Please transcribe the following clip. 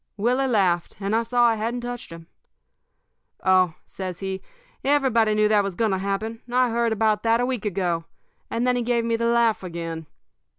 "Willie laughed, and I saw I hadn't touched him. "'Oh,' says he, 'everybody knew that was going to happen. I heard about that a week ago.' And then he gave me the laugh again.